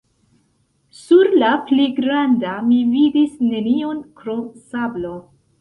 Sur la pli granda mi vidis nenion krom sablo.